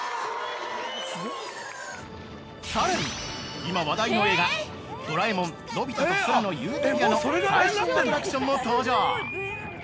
さらに、今話題の映画「ドラえもんのび太と空の理想郷」の最新アトラクションも登場！